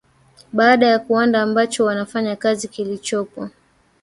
baada ya kuwanda ambacho wanafanyia kazi kilichopo